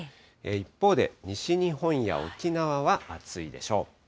一方で西日本や沖縄は暑いでしょう。